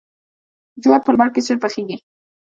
جوار په لمر کې ژر پخیږي.